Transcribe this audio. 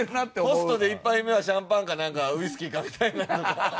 ホストで１杯目はシャンパンかなんかウイスキーかみたいな。